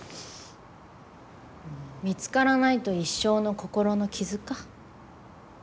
見つからないと一生の心の傷か。